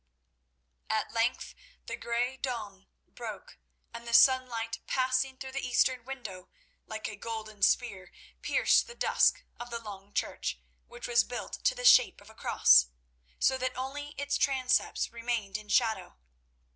At length the grey dawn broke, and the sunlight, passing through the eastern window, like a golden spear, pierced the dusk of the long church, which was built to the shape of a cross, so that only its transepts remained in shadow.